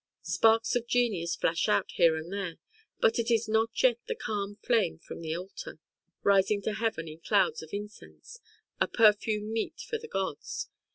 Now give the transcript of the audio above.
Sparks of genius flash out here and there, but it is not yet the calm flame from the altar, rising to heaven in clouds of incense a perfume meet for the gods.